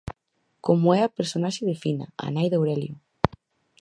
Como o é a personaxe de Fina, a nai de Aurelio.